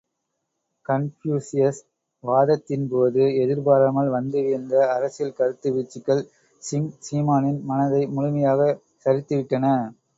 Confucius வாதத்தின்போது எதிர்பாராமல் வந்து வீழ்ந்த அரசியல் கருத்து வீச்சுக்கள் சிங் சீமானின் மனதை முழுமையாக சரித்து விட்டன.